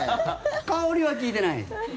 香りは聞いてない。